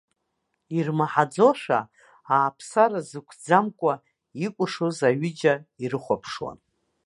Ирмаҳаӡошәа, ааԥсара зықәӡамкәа икәашоз аҩыџьа ирыхәаԥшуан.